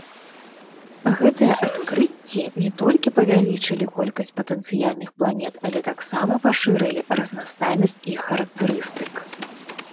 Гэтыя адкрыцці не толькі павялічылі колькасць патэнцыяльных планет, але таксама пашырылі разнастайнасць іх характарыстык.